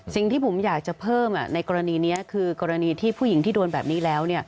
สิ่งที่ผมอยากจะเพิ่มในกรณีนี้คือกรณีที่ผู้หญิงที่โดนแบบนี้แล้ว